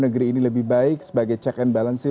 negeri ini lebih baik sebagai check and balance